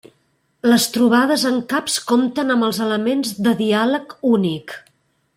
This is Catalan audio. Les trobades amb caps compten amb elements de diàleg únic.